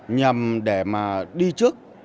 nhằm để mà đi trước